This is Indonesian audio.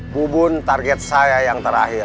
hubun target saya yang terakhir